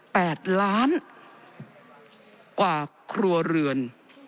แปดล้านกว่าครัวเรือน